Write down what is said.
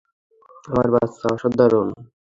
আমার বাচ্চা অসাধারণ।